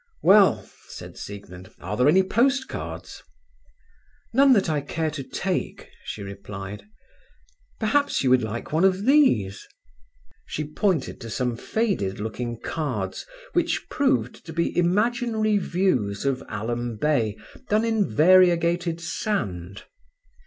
"Well," said Siegmund, "are there any postcards?" "None that I care to take," she replied. "Perhaps you would like one of these?" She pointed to some faded looking cards which proved to be imaginary views of Alum Bay done in variegated sand.